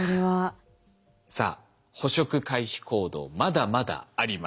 さあ捕食回避行動まだまだあります。